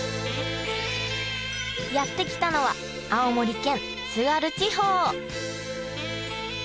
やって来たのは青森県津軽地方！